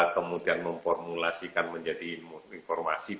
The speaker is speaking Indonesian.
kemudian memformulasikan menjadi informasi